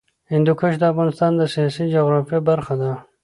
هندوکش د افغانستان د سیاسي جغرافیه برخه ده.